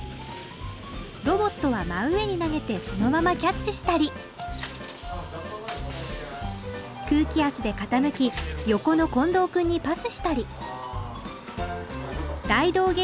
ロボットは真上に投げてそのままキャッチしたり空気圧で傾き横の近藤くんにパスしたり大道芸